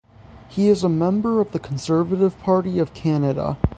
He is a member of the Conservative Party of Canada.